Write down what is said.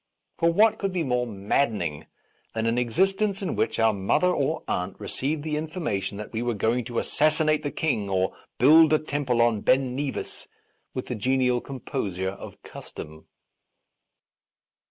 For what could be more maddening than an ex istence in which our mother or aunt re ceived the information that we were going to assassinate the King or build a temple on Ben Nevis with the genial composure of custom